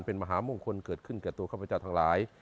เป็นมหามงคลเกิดขึ้นแก่ตัวข้าพเจ้าทั้งหลาย